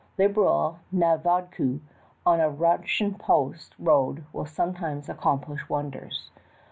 Liberal "Aa Vodku^^ on a Russian post road will sometimes accomplish wonders.